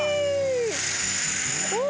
お！